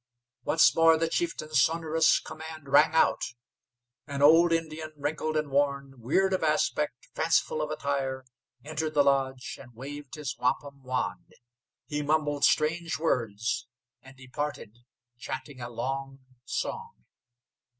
Once more the chieftain's sonorous command rang out. An old Indian, wrinkled and worn, weird of aspect, fanciful of attire, entered the lodge and waved his wampum wand. He mumbled strange words, and departed chanting a long song.